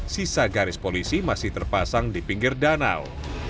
sisa garis polisi masih terpasang di pinggir danau